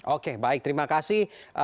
oke baik terima kasih